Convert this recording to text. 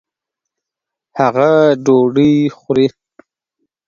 هغه ډوډۍ خوري